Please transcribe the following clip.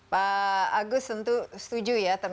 pak agus tentu setuju ya